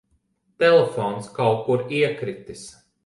Telefons kaut kur iekritis.